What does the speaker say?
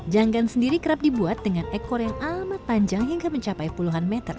janggan sendiri kerap dibuat dengan ekor yang amat panjang hingga mencapai puluhan meter